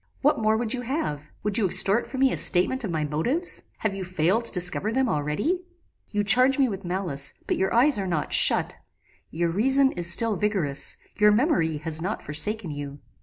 What more would you have? Would you extort from me a statement of my motives? Have you failed to discover them already? You charge me with malice; but your eyes are not shut; your reason is still vigorous; your memory has not forsaken you.